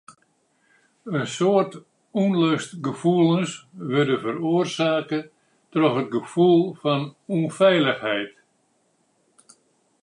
In soad ûnlustgefoelens wurde feroarsake troch it gefoel fan ûnfeilichheid.